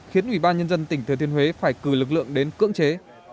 khiến ubnd tỉnh thừa thiên huế phải cử lực lượng đến cưỡng chế